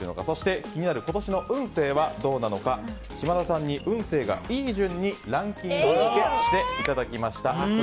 そして気になる今年の運勢はどうなのか、島田さんに運勢がいい順にランキング付けしていただきました。